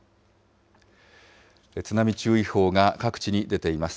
津波注意報が各地に出ています。